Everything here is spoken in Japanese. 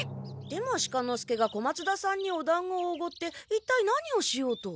出茂鹿之介が小松田さんにおだんごをおごって一体何をしようと？